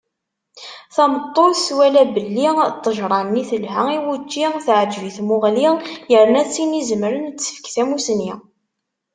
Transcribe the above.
Tameṭṭut twala belli ṭṭejṛa-nni telha i wučči, teɛǧeb i tmuɣli, yerna d tin izemren ad d-tefk tamusni.